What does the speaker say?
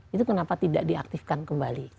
itu kenapa tidak diaktifkan kembali